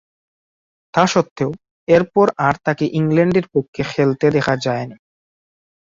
তাসত্ত্বেও, এরপর আর তাকে ইংল্যান্ডের পক্ষে খেলতে দেখা যায়নি।